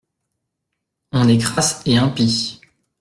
On est crasse et impie.